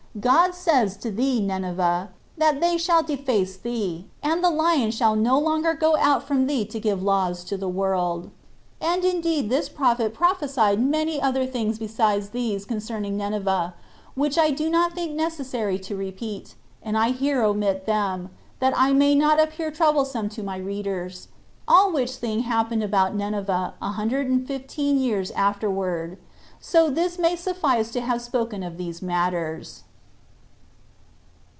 God says to thee, Nineveh, that they shall deface thee, and the lion shall no longer go out from thee to give laws to the world." And indeed this prophet prophesied many other things besides these concerning Nineveh, which I do not think necessary to repeat, and I here omit them, that I may not appear troublesome to my readers; all which thing happened about Nineveh a hundred and fifteen years afterward: so this may suffice to have spoken of these matters.